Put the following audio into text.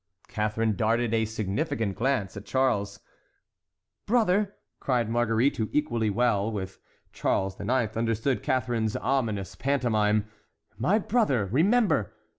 Catharine darted a significant glance at Charles. "Brother," cried Marguerite, who equally well with Charles IX. understood Catharine's ominous pantomime, "my brother, remember!